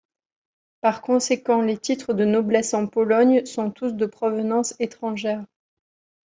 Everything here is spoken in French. Par conséquent les titres de noblesse en Pologne sont tous de provenance étrangère.